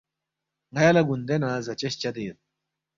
ن٘یا لہ گُوندے نہ زاچس چدے یود